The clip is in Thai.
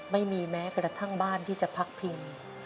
ไม่มีแม้กระทั่งบ้านที่จะพักพิง